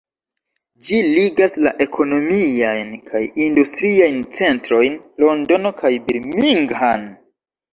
Ĝi ligas la ekonomiajn kaj industriajn centrojn Londono kaj Birmingham.